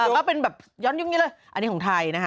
ก็เป็นแบบย้อนยุคนี้เลยอันนี้ของไทยนะฮะ